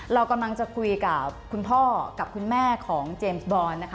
เรากำลังจะคุยกับคุณพ่อกับคุณแม่ของเจมส์บอลนะคะ